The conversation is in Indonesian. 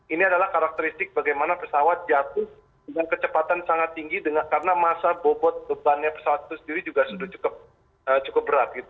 ini adalah karakteristik bagaimana pesawat jatuh dengan kecepatan sangat tinggi karena masa bobot bebannya pesawat itu sendiri juga sudah cukup berat